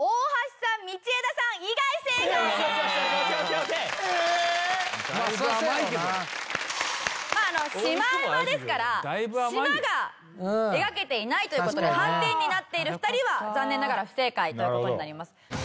まあシマウマですからしまが描けていないという事で斑点になっている２人は残念ながら不正解という事になります。